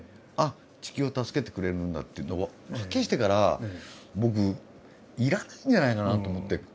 あっ地球を助けてくれるんだっていうのをはっきりしてから僕要らないんじゃないかなと思って。